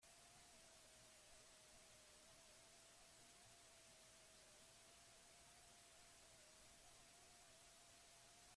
Gorputz barruan pilatutako mukia modu naturalean desegin eta kanporatzen du.